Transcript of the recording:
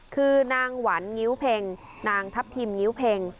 คือนางหวันงิ้วเพ็งนางทัพทิมงิ้วเพ็ง